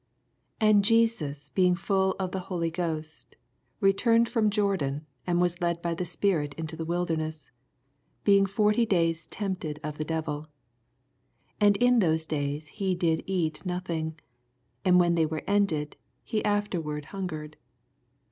1 And Jesns being fall of the H0I7 (j^host returned fh)m Jordan, and was led by the Spirit into the wilderness, 2 Being forty days tempted of the devil. And in those days he did eat nothing : and when they were ended, he afterward hungered.